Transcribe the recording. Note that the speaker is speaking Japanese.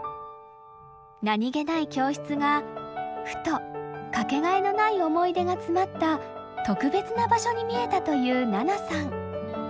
何気ない教室がふとかけがえのない思い出が詰まった特別な場所に見えたという虹色さん。